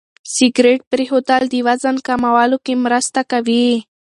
سګرېټ پرېښودل د وزن کمولو کې مرسته کوي.